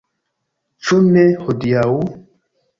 Ĉu ne hodiaŭ?